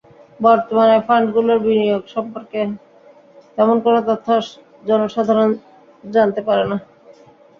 বর্তমানে ফান্ডগুলোর বিনিয়োগ সম্পর্কে তেমন কোনো তথ্য জনসাধারণ জানতে পারে না।